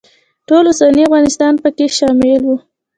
ټول اوسنی افغانستان پکې شامل و.